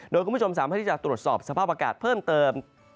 โดยคุณผู้ชมสามารถที่จะตรวจสอบสภาพอากาศเพิ่มเติม